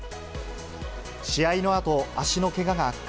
試合のあと、足のけがが悪化。